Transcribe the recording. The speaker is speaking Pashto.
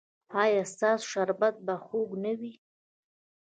ایا ستاسو شربت به خوږ نه وي؟